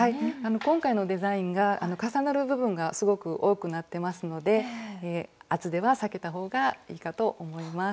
今回のデザインが重なる部分がすごく多くなってますので厚手は避けた方がいいかと思います。